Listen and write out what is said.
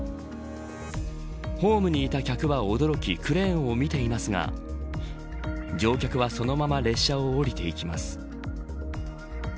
ホームにいた客は驚きクレーンを見ていますが乗客はそのまま列車を降りていきます。